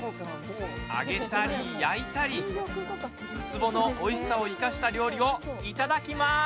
揚げたり、焼いたりウツボのおいしさを生かした料理をいただきます。